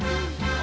あ！